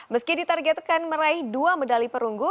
meski ditargetkan meraih dua medali perunggu